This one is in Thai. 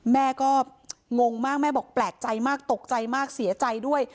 แม่ก็งงมากแม่บอกแปลกใจมากตกใจมากเสียใจด้วย